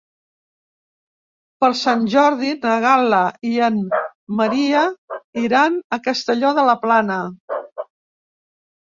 Per Sant Jordi na Gal·la i en Maria iran a Castelló de la Plana.